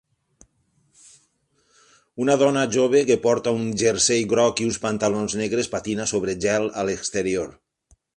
Una dona jove que porta un jersei groc i uns pantalons negres patina sobre gel a l'exterior.